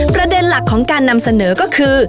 ประเด็นหลักของการนำเสนอก็คือ